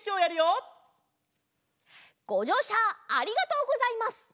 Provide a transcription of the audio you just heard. ごじょうしゃありがとうございます。